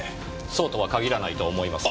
そうとは限らないと思いますよ。